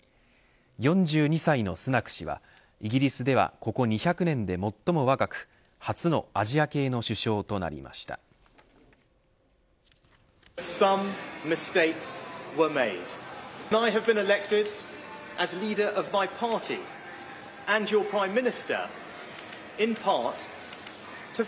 ４２歳のスナク氏はイギリスではここ２００年で最も若く初のアジア系の首相となりました。